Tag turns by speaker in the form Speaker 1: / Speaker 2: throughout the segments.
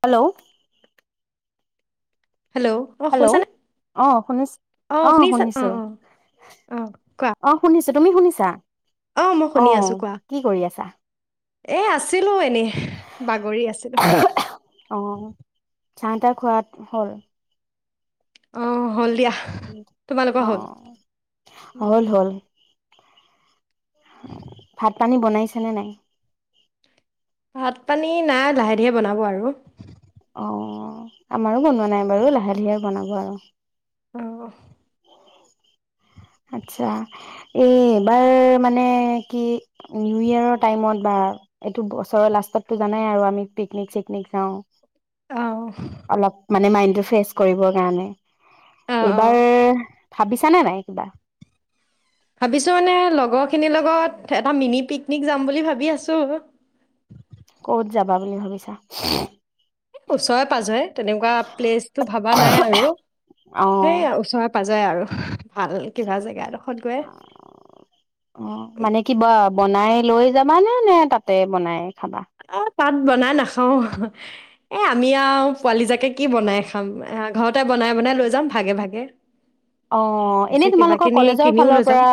Speaker 1: Hello
Speaker 2: hello অ
Speaker 1: hello
Speaker 2: শুনিছানে
Speaker 1: অ শুনিছ অ
Speaker 2: শুনিছা অ
Speaker 1: শুনিছো
Speaker 2: অ অ কোৱা
Speaker 1: অ শুনিছো। তুমি শুনিছা।
Speaker 2: অ মই শুনি
Speaker 1: অহ
Speaker 2: আছো কোৱা
Speaker 1: কি কৰি আছা।
Speaker 2: এ আছিল। আছিলো এনেই বাগৰি আছিলো।
Speaker 1: অ চাহ তাহ খোৱাত হ'ল
Speaker 2: অ হ'ল দিয়া তোমালোকৰ
Speaker 1: অ
Speaker 2: হ'ল
Speaker 1: হল হল ভাত পানী বনাইছানে নাই
Speaker 2: ভাত পানী নাই লাহে ধীৰে বনাব আৰু
Speaker 1: অ আমাৰো বনোৱা নাই বাৰু লাহে ধীৰে বনাব আৰু
Speaker 2: আহ
Speaker 1: আচ্ছা এই এইবাৰ মানে কি নিউ ইয়ৰৰ টাইমত বা এইটো বছৰৰ লাষ্টতো জানাই আৰু আমি পিকনিক চিকনিক যাওঁ
Speaker 2: অ
Speaker 1: অলপ মানে মাইন ফেচ কৰিবৰ কাৰণে
Speaker 2: অ অ
Speaker 1: এইবাৰ ভাবিছো চান নাই একবাৰ
Speaker 2: ভাবিছো মানে লগৰখিনিৰ লগত এটা মিনি পিকনিক যাম বুলি ভাবি আছো
Speaker 1: কত যাবা বুলি ভাবিছা [unintelligible]
Speaker 2: এ ওচৰে পাজৰে তেনেকুৱা প্লেচ টো ভবা নাই আৰু
Speaker 1: অ',
Speaker 2: সেই ওচৰে পাজৰে যায় আৰু ভাল কিবা জেগা গৈ
Speaker 1: অ মানে কিবা বনাই লৈ যাবা নে নে তাতে বনাই খাবা
Speaker 2: আহ তাত বনাই নাখাও এ আমি আৰু পোৱালি জাকে কি বনাই খাম ঘৰতে বনাই বনাই লৈ যাম ভাগে ভাগে
Speaker 1: অ
Speaker 2: তাৰপিছত
Speaker 1: এনেই
Speaker 2: কিবা
Speaker 1: তোমালোকৰ
Speaker 2: কিনি
Speaker 1: কলেজৰ
Speaker 2: কিনিও লৈ
Speaker 1: ফালৰ
Speaker 2: যাম
Speaker 1: পৰা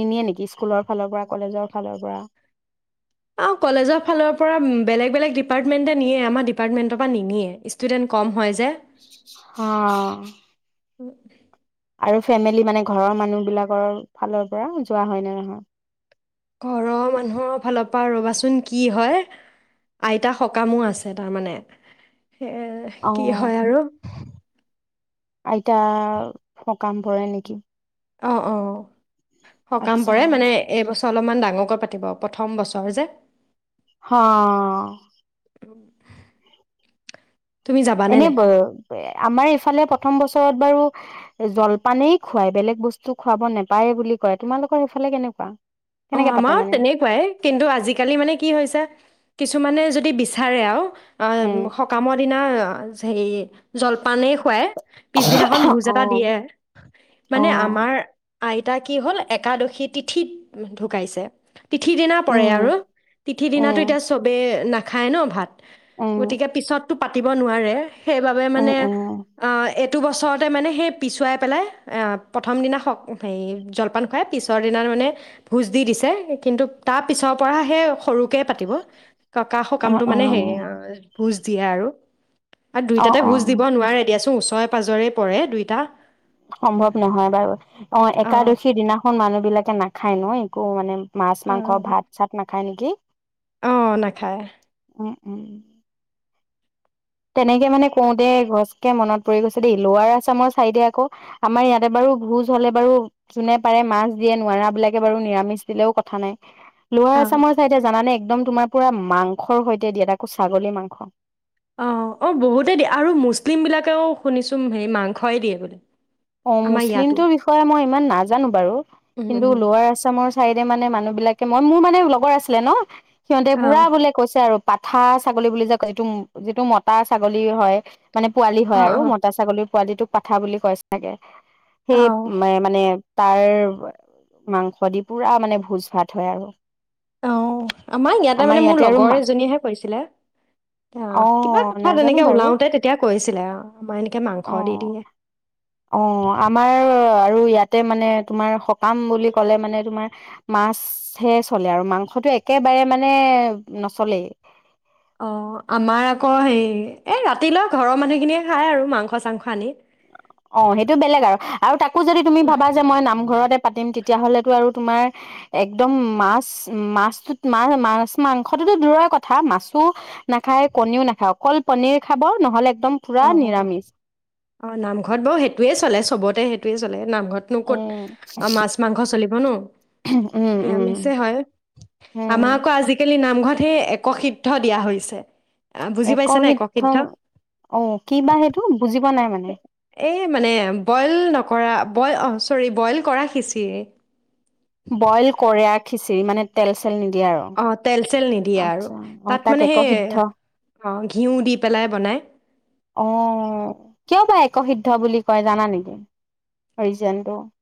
Speaker 1: নিনিয়ে নেকি স্কুলৰ ফালৰ পৰা কলেজৰ ফালৰ পৰা
Speaker 2: অ কলেজৰ ফালৰ পৰা বেলেগ বেলেগ ডিপাৰ্টমেণ্টতে নিয়ে আমাৰ ডিপাৰ্টমেণ্টৰ পৰা নিনিয়ে ষ্টুডেণ্ট কম হয় যে
Speaker 1: হ
Speaker 2: অ [inaudible]
Speaker 1: আৰু ফেমিলি মানে ঘৰৰ মানুহ বিলাকৰ ফালৰ পৰা যোৱা হয় নে নহয়
Speaker 2: ঘৰৰ মানুহৰ ফালৰ পৰা ৰ'বাচোন কি হয়। আইতা সকামো আছে তাৰমানে। সেয়ে কি
Speaker 1: অ',
Speaker 2: হয় আৰু।
Speaker 1: আইতা, সকাম পৰে নেকি?
Speaker 2: অ অ। সকাম
Speaker 1: আচ্ছা
Speaker 2: পৰে মানে এইবছৰ অলপমান ডাঙৰ কৈ পাতিব। প্ৰথম বছৰ যে।
Speaker 1: হ
Speaker 2: উ
Speaker 1: এনেই ব, আমাৰ ইফালে প্ৰথম বছৰত বাৰু জলপানেই খুৱাই বেলেগ বস্তু খুৱাব নোপায় বুলি কয়। তোমালোকৰ সেইফালে কেনেকুৱা?
Speaker 2: অ
Speaker 1: কেনেকে পাতে
Speaker 2: আমাৰো
Speaker 1: মানে
Speaker 2: তেনেকুৱাই, কিন্তু আজিকালি মানে কি হৈছে, কিছুমানে য যদি বিচাৰে আৰু, অ
Speaker 1: উম
Speaker 2: সকামৰ দিনা অ অ যে সেই জলপানেই খুৱাই, পিছদিনাখন ভোজ
Speaker 1: অ
Speaker 2: এটা দিয়ে।
Speaker 1: অ
Speaker 2: মানে আমাৰ আইতা কি হ'ল, একাদশী তিথিত ঢুকাইছে। তিথিৰ দিনা পৰে
Speaker 1: উম
Speaker 2: আৰু। তিথি দিনাট
Speaker 1: উম
Speaker 2: এতিয়া চবে না খায় ন ভাত।
Speaker 1: উম
Speaker 2: গতিকে পিছত টো পাতিব নোৱাৰে, সেইবাবে
Speaker 1: উম
Speaker 2: মানে
Speaker 1: উম
Speaker 2: অ এ এইটো বছৰতে মানে সেই পিছুৱাই পেলাই প্ৰথম দিনা হে জলপান খুৱাই, পিছৰ দিনা মানে ভোজ দি দিছে। কিন্তু তাৰ পিছৰ পৰা সেই সৰুকৈ পাতিব। ককা
Speaker 1: অ
Speaker 2: সকামটো
Speaker 1: অ
Speaker 2: মানে হেৰি হয়। ভোজ দিয়ে আৰু। আৰু
Speaker 1: অ
Speaker 2: দুইটাতে
Speaker 1: অ
Speaker 2: ভোজ দিব নোৱাৰে দিয়াচোন ছৰে পাজৰে পৰে দুইটা।
Speaker 1: সম্ভৱ নহয় বাৰু। অ
Speaker 2: অঁ
Speaker 1: একাদশীৰ দিনাখন মানুহ বিলাকে নাখায় ন একো মানে মাছ মাংস
Speaker 2: অঁ
Speaker 1: ভাত চাত নাখায় নেকি!
Speaker 2: অ নাখায়।
Speaker 1: উম উম উ। তেনেকে মানে কওঁতে ঘছকে মনত পৰি গৈছে দেই লোৱাৰ আছামৰ চাইদে আকৌ, আমাৰ ইয়াতে বাৰু ভোজ হলে বাৰু যোনে পাৰে মাছ দিয়ে নোৱাৰা বিলাকে বাৰু নিৰামিষ দিলেও কথা নাই। লৱাৰ
Speaker 2: অ'
Speaker 1: আছামৰ চাইদে জানানে একদম তোমাৰ পুৰা মাংসৰ সৈতে দিয়া তাকো ছাগলী মাংস
Speaker 2: অ অ বহুতেই দিয়ে আৰু মুছলিম বিলাকেও শুনিছো হেৰি মাংসই দিয়ে বুলি
Speaker 1: অ মুছলিমটোৰ বিষয়ে মই ইমান নাজানো বাৰু
Speaker 2: উম,
Speaker 1: কিন্তু
Speaker 2: উম,
Speaker 1: লোৱাৰ আছামৰ চাইডে মানে মানুহ বিলাক মই মোৰ মানে লগৰ আছিলে ন সিহঁতে পুৰা
Speaker 2: অ'
Speaker 1: বোলে কৈছে আৰু পাঠা ছাগলী বুলি যে ক যিটো যিটো মতা ছাগলী হয় মানে পোৱালি হয়
Speaker 2: অ'
Speaker 1: আৰু
Speaker 2: অ'
Speaker 1: মতা ছাগলী পোৱালিটোক পাঠা বুলি কৈছে তাকে সেই
Speaker 2: অ'
Speaker 1: মাই মানে তাৰ মাংস দি পুৰা মানে ভোজ ভাত হয় আৰু
Speaker 2: অ আমাৰ ইয়াতে মানে মোৰ লগৰ এজনীয়েহে কৈছিলে
Speaker 1: অ
Speaker 2: কিবা কথা
Speaker 1: নাজানো
Speaker 2: তেনেকৈ
Speaker 1: বাৰু
Speaker 2: ওলাওঁতে তেতিয়া কৈছিলে আৰু আমাৰ এনেকৈ মাংস দি
Speaker 1: অ
Speaker 2: দিয়ে
Speaker 1: অ আমাৰ আৰু ইয়াতে মানে তোমাৰ সকাম বুলি ক'লে মানে তোমাৰ মাছহে চলে আৰু মাংসটো একেবাৰে মানে নচলেই
Speaker 2: অ আমাৰ আকৌ হে এই ৰাতিলৈ ঘৰৰ মানুহখিনিয়ে খায় আৰু মাংস চাংস আনি
Speaker 1: অ সেইটো বেলেগ আৰু তাক তাকো যদি তুমি ভাবা যে মই নামঘৰতে পাতিম তেতিয়া হলেতো আৰু তোমাৰ একদম মাছ মাছত মাছ মাছ মাংসটোোতো দূৰৰ কথা মাছো নাখায় কণীও নাখায় অকল কনিৰ খাব নহলে একদম পুৰা
Speaker 2: অ
Speaker 1: নিৰামিষ
Speaker 2: অ নামঘৰত বৌ সেই সেইটোৱে চলে চবতে সেইটোৱে চলে নামঘৰতনো ক'ত
Speaker 1: উম
Speaker 2: মাছ মাংস চলিব ন
Speaker 1: উম উম
Speaker 2: নিৰামিষ হয়
Speaker 1: উম
Speaker 2: আমাৰ আকৌ আজিকালি নাম তহে একসিদ্ধ দিয়া হৈছে আ, বুজি
Speaker 1: এক
Speaker 2: পাইছানে
Speaker 1: শিদ্ধ
Speaker 2: একসিদ্ধ?
Speaker 1: অ কি বা সেইটো বুজি পোৱা নাই মানে।
Speaker 2: এই মানে বইল নকৰা বইল অ চৰি বইল কৰা সিচিৰ
Speaker 1: বইল কৰে খিচিৰ মানে তেল চে
Speaker 2: অ তেলচেল নি মানে দিয়ে আৰু
Speaker 1: অ
Speaker 2: তাত
Speaker 1: তাক
Speaker 2: মানে সেই
Speaker 1: একসিদ্ধ
Speaker 2: ঘিউ দি পেলায় বনাই।
Speaker 1: অ কিয় বা এক সিদ্ধ বুলি কয় জানা নেকি? [unintelligible]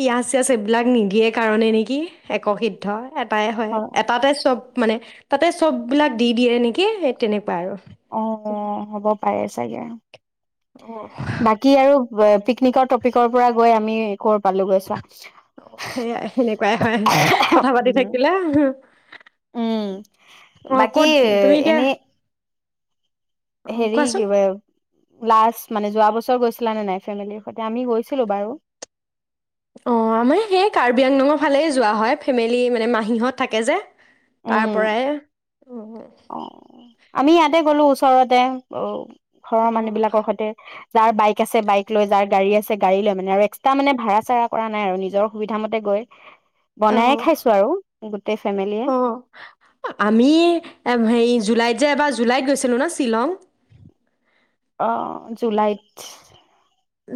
Speaker 2: পিয়াজ চিয়াজ এইবিলাক নিদিয়ে কাৰণে নেকি একসিদ্ধ এটাই হয়, এটাতে চব মানে। তাতে চববিলাক দি দিয়ে নেকি সেই তেনেকুৱা আৰু
Speaker 1: অ হ'ব পাৰে চাগে।
Speaker 2: আহ
Speaker 1: বাকী আৰু পিকনিকৰ টপিকৰ পৰা গৈ আমি কৰ পালোগৈ চোৱা।
Speaker 2: সেইয়াই সেনেকুৱাই হয় কথা পাতি থাকিলে আহ
Speaker 1: উম বাকী
Speaker 2: কত তুমি এতিয়া
Speaker 1: এনে
Speaker 2: অ
Speaker 1: হেৰি
Speaker 2: কোৱাচোন
Speaker 1: কি লাষ্ট মানে যোৱা বছৰ গৈছিলা নে নাই ফেমিলিৰ সৈতে আমি গৈছিলো বাৰু
Speaker 2: অ আমাৰ সেই কাৰ্বি আংলঙৰ ফালে যোৱা হয় ফেমিলি মানে মাহীহত থাকে যে তাৰ
Speaker 1: উম।
Speaker 2: পৰাই অ
Speaker 1: অ আমি ইয়াতে গলো ওচৰতে অ ঘৰৰ মানুহ বিলাকৰ সৈতে যাৰ বাইক আছে বাইক লৈ যাৰ গাড়ী আছে গাড়ী লৈ মানে আৰু এক্সট্ৰা মানে ভাড়া চাডা কৰা নাই আৰু নিজৰ সুবিধা মতে গৈ
Speaker 2: অ
Speaker 1: বনায়ে খাইছো আৰু গোটেই ফেমিলিয়ে
Speaker 2: অ আমি হেৰি জুলাইত যে এবাৰ জুলাইত গৈছিলোঁ ন শ্বিলং
Speaker 1: অ জুলাইত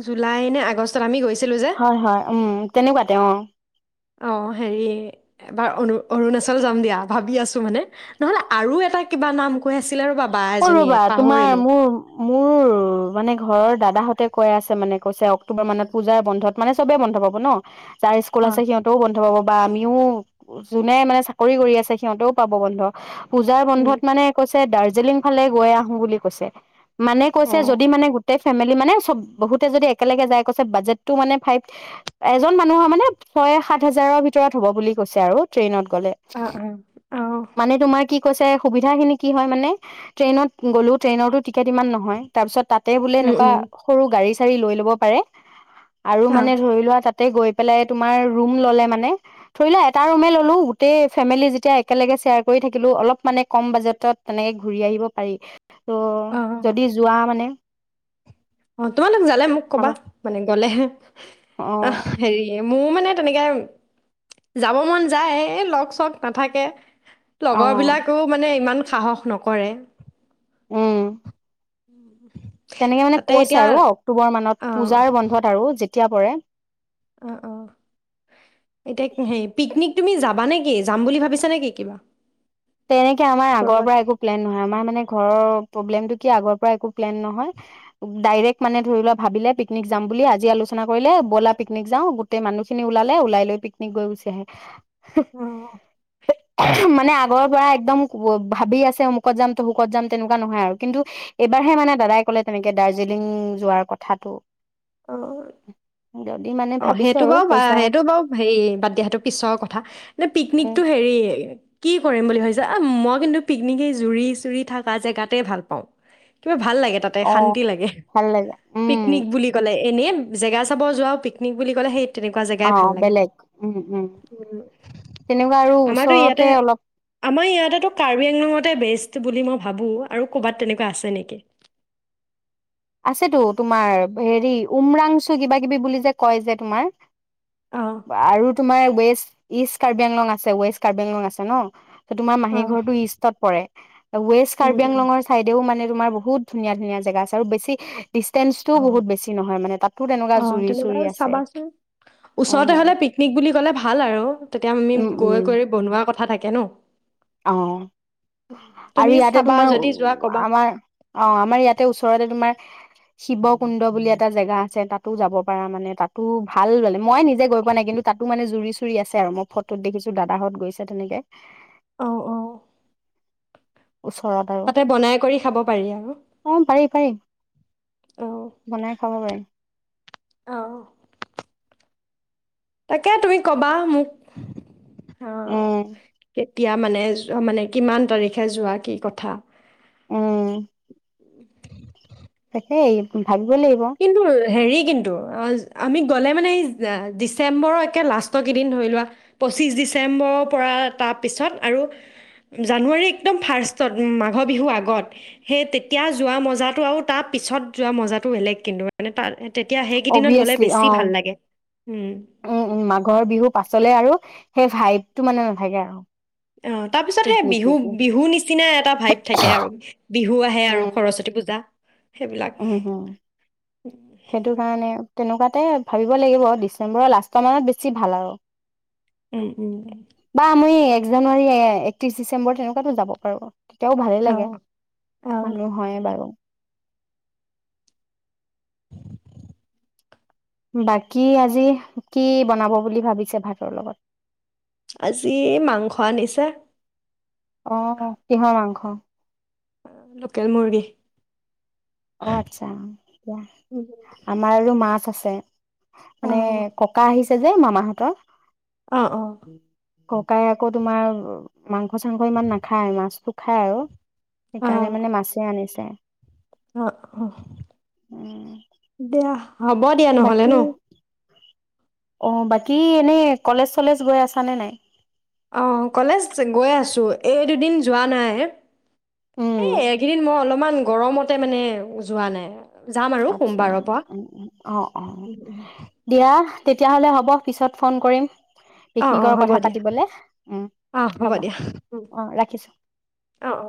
Speaker 2: জুলাই নে আগষ্টত আমি গৈছো
Speaker 1: হয় হয় উম তেনেকুৱা তেওঁ
Speaker 2: অ হেৰি এবাৰ অৰুণাচল যাম দিয়া ভাবি আছো মানে নহ'লে আৰু এটা কিবা নাম কৈ আছিলে ৰ'বা বা
Speaker 1: অ অ অ
Speaker 2: এজনীয়ে পাহৰিলোঁ
Speaker 1: ঘৰৰ দাদাহঁতে কৈ আছে মানে কৈছে অক্টোবৰ মানত পূজাৰ বন্ধত মানে চবে বন্ধ পাব ন যাৰ স্কুল
Speaker 2: অ
Speaker 1: আছে সিহঁতেও বন্ধ পাব বা আমিও যোনে মানে চাকৰি কৰি আছে সিহঁতেও পাব বন্ধ পূজাৰ
Speaker 2: উম
Speaker 1: বন্ধত মানে কৈছে তে ডাৰ জেলিং ফালে গৈ আহো বুলি কৈছে মানে
Speaker 2: অ
Speaker 1: কৈছে যদি মানে গোটেই ফেমেলি মানে চব বহুতে যদি একেলগে যাই কৈছে বাজেটটো মানে ফাএভ এজন মানুহৰ মানে ছয় সাত হাজাৰৰ ভিতৰত হ'ব বুলি কৈছে আৰু ট্ৰেইনত গলে
Speaker 2: অ অ অ
Speaker 1: মানে তোমাৰ কি কৈছে সুবিধাখিনি কি হয় মানে ট্ৰেইনত গ'লো ট্ৰেইনৰতো টিকেট ইমান নহয় তাৰপিছত তাত তাতে বোলে
Speaker 2: উম
Speaker 1: এনেকুৱা
Speaker 2: উম
Speaker 1: সৰু গাড়ী গাড়ী লৈ ল'ব পাৰে আৰু
Speaker 2: অ
Speaker 1: মানে ধৰি লোৱা তাতে গৈ পেলাই তুমাৰ ৰুম ল'লে মানে ধৰি লোৱা এটা ৰুমে ললো গোটেই ফেমেলি যেতিয়া একেলগে শ্বেয়াৰ কৰি থাকিলো অলপ মানে কম বাজেটত তেনেকে ঘূৰি আহিব পাৰি ত'
Speaker 2: অ
Speaker 1: যদি যোৱা মানে
Speaker 2: অ তোমালোক জালে মোক কবা
Speaker 1: ভাবা
Speaker 2: মানে গলেহে অ হেৰি মোৰ মানে তেনেকে যাব মন যায় এই লগ চ নাথাকে
Speaker 1: অ
Speaker 2: লগৰ বিলাকো মানে ইমান সাহস নকৰে
Speaker 1: উম
Speaker 2: উ
Speaker 1: তেনেকে মানে কৈছে আৰু অক্টোবৰ মানত
Speaker 2: অঁ
Speaker 1: পূজাৰ বন্ধত আৰু যেতিয়া এতিয়া পৰে
Speaker 2: অ' অ' এতিয়া হেই পিকনিক তুমি যাবা নেকি যাম বুলি ভাবিছা নেকি কিবা
Speaker 1: তেনেকে আমাৰ আগৰ
Speaker 2: ক'ৰবাত
Speaker 1: পৰা একো প্লেন নহয় আমাৰ মানে ঘৰৰ প্ৰব্লেমটো কি আগৰ পৰা একো প্লেন নহয় ডাইৰেক্ট মানে ধৰি লোৱা ভাবিলে পিকনিক যাম বুলি আজি আলোচনা কৰিলে ব'লা পিকনিক যাওঁ গোটেই মানুহখিনি ওলালে ওলাই লৈ পিকনিক গৈ গুচি আহে। হেহ
Speaker 2: অঁ
Speaker 1: হে উমহ আগৰৰ পৰা একদম ভাবি আছে আমুকত যাম তামুকত যাম তেনেকুৱা নহয় আৰু কিন্তু এইবাৰহে মানে দাদাই ক'লে তেনেকে দাৰ্জিলিং যোৱাৰ কথাটো।
Speaker 2: অ'
Speaker 1: যদি মানে
Speaker 2: অ'
Speaker 1: ভাবিছো
Speaker 2: সেইটো
Speaker 1: আৰু
Speaker 2: বাৰু
Speaker 1: পইচা
Speaker 2: সেইটো বাৰু হেৰি বাদ দিয়া সেইটো পিছৰ কথা এ
Speaker 1: উম
Speaker 2: পিকনিকটো হেৰি কি কৰিম বুলি ভাবিছা এ মই কিন্তু পিকনিকেই জুৰি চুৰি থকা জেগাতে ভাল পাওঁ কিবা ভাল লাগে তাতে
Speaker 1: অ
Speaker 2: শান্তি লাগে
Speaker 1: ভাল লাগে উম
Speaker 2: পিকনিক বুলি ক'লে। এনেই জেগা চাব যোৱা পিক পিকনিক বুলি ক'লে সেই তেনেকুৱা জেগাই ভাল
Speaker 1: অ'
Speaker 2: লাগে
Speaker 1: বেলেগ উম, উম তেনেকুৱা আৰু
Speaker 2: আমাৰতো ইয়াতে
Speaker 1: ওচৰতে অলপ
Speaker 2: আমাৰ ইয়াতেতো কাৰ্বি আংলঙতে বেষ্ট বুলি মই ভাবোঁ আৰু ক'বাত তেনেকুৱা আছে নেকি?
Speaker 1: আছেতো তোমাৰ হেৰি উমৰাংচু কিবা, কিবি বুলি যে কয় যে তোমাৰ
Speaker 2: অঁ
Speaker 1: আৰু তোমাৰ বেছ ইষ্ট কাৰ্বিআংলং আছে ৱেষ্ট কাৰ্বিআংলং আছে ন। তোমাৰ মাহী
Speaker 2: অঁ
Speaker 1: ঘৰটো ইষ্টত পৰে। ৱেষ্ট
Speaker 2: উম উম
Speaker 1: কাৰ্বিআংলঙৰ চাইডেও মানে তোমাৰ বহুত ধুনীয়া, ধুনীয়া জেগা আছে আৰু বেছি টি [unintelligible] তেনেকুৱা
Speaker 2: অ'
Speaker 1: জুৰি চুৰি
Speaker 2: তেনেকুৱা
Speaker 1: আছে
Speaker 2: চাবাচোন
Speaker 1: অ
Speaker 2: ওচৰতে হ'লে পিকনিক বুলি কলে ভাল আৰু তেতিয়া আমি
Speaker 1: উম উম
Speaker 2: গৈ কৰি বনোৱা কথা থাকে কেনো
Speaker 1: অ' আৰু ইয়াতে
Speaker 2: চাবা
Speaker 1: তোমাৰ
Speaker 2: যদি যোৱা ক'বা
Speaker 1: আমাৰ অ' আমাৰ ইয়াতে ওচৰতে তোমাৰ শিৱ কুণ্ড বুলি এটা জেগা আছে তাতো যাব পাৰা মানে তাতো ভাল মানে। মই নিজে গৈ পোৱা নাই কিন্তু তাতো মনে জুৰি চু চুৰি আছে আৰু মই ফটোত দেখিছো দাদাহঁত গৈছে তেনেকে
Speaker 2: অঁ অঁ
Speaker 1: ওচৰত আৰু
Speaker 2: তাতে বনাই কৰি খাব পাৰি আৰু
Speaker 1: অ পাৰি পাৰি বনাই খাব পাৰিম।
Speaker 2: অহ তাকে তুমি কবা মোক
Speaker 1: উম
Speaker 2: এতিয়া মানে, মানে কিমান তাৰিখে যোৱা কি কথা? [inaudible]
Speaker 1: হেই এইবোৰ
Speaker 2: কিন্তু ৰো ৰ হেৰি কিন্ত ও জ জ আমি গলে মানে এই যা আ ডিচেম্বৰ একে লাস্ত গিদিন ধই লোৱা, পঁচিছ ডিচেম্বৰ পৰা তা পিছত আৰু জানুৱাৰী একদম ফাৰ্ষ্টত মাঘ বিহু আগত, হেই তেতিয়া যোৱা মজাটো আও তা পিছত যোৱা মজাটো এলেগ। কিন্ত মানে তাৰ এ
Speaker 1: অবিয়াছলি আ আ ও, ও ও, মাঘৰ বিহু পাছলে আৰু সে ভাইব টো মানে ন থাকে আৰু
Speaker 2: অঁ তাৰ পিছত হে
Speaker 1: পিকনিক পিকনিক
Speaker 2: বিহু-বিহু নিচিনা এটা ভাইব থাকে আৰু--বিহু আহে আৰু সৰস্বতী পূজা সেইবিলাক
Speaker 1: ও হু, সেটোকাৰণে আৰু তেনেকুৱাতেএ ভাবিব লাগিব অ, ডিচেম্বঅ লাস্ত মানত বেছি ভাল আ ও
Speaker 2: ও ও ও।
Speaker 1: ইক জানুৱাৰী, এ এ এ একত্ৰিশ ডিচেম্বৰ, তেনেকুৱাতো যাব পাৰো। তিতাও ভালেই
Speaker 2: অঁ
Speaker 1: লাগে।
Speaker 2: আহ
Speaker 1: মানুহ হয়েই বাৰু বাকী আজি, কি বনাব বুলি ভাবিছে ভাতৰ লগত?
Speaker 2: আজি মাংস আনিছে
Speaker 1: অঁ অঁ কিহৰ মাংস
Speaker 2: লোকেল মুৰ্গী।
Speaker 1: অ' আতচা অ' দিয়া
Speaker 2: উম।
Speaker 1: আমাৰ আৰু মাছ আছে ছে
Speaker 2: অ
Speaker 1: মানে এ এ ককা আহিছে এই যে মামাহঁতৰ
Speaker 2: অঁ অঁ।
Speaker 1: ককাই আকৌ তোমাৰ মাংস চাংস ইমান নাখায়। মাছটো খাই আকৌ সেইকাৰণে মানে মাছে আনিছে। [unintelligible]
Speaker 2: অঁ অহ।
Speaker 1: উম
Speaker 2: দিয়া হ'ব দিয়া নহলে,
Speaker 1: বাকী
Speaker 2: ন।
Speaker 1: অ', বাকী এনেই কলেজ চলেজ গৈ আছানে নাই?
Speaker 2: অ' অ' অ', কলেজ গৈয়ে আছো। এই দুদিন যোৱা নাই
Speaker 1: উম
Speaker 2: হেই এইকেদিন মই অলপমান গৰমতে মানে যোৱা নাই। যাম আৰু
Speaker 1: আটছা
Speaker 2: সোমবাৰৰ পৰা
Speaker 1: উম অ' অ'
Speaker 2: উম, উম।
Speaker 1: দিয়া তেতিয়াহ'লে হ'ব, পিছত ফোন কৰিম
Speaker 2: অ অ
Speaker 1: পিকনিকৰ
Speaker 2: হ'ব
Speaker 1: কথা
Speaker 2: দিয়া
Speaker 1: পাতিবলে, উম,
Speaker 2: অ
Speaker 1: হব
Speaker 2: দিয়া উম,
Speaker 1: অ' ৰাখিছো।
Speaker 2: অ অ